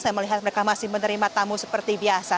saya melihat mereka masih menerima tamu seperti biasa